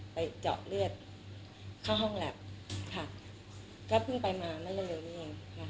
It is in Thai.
ไปเจาะเลือดค่ะเพิ่งไปมาไม่เลยยังงี้